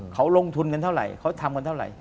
เขาลงทุนกันเท่าไหร่เขาทำกันเท่าไหร่